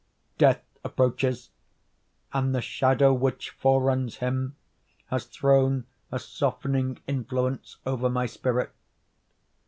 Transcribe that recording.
Death approaches; and the shadow which foreruns him has thrown a softening influence over my spirit.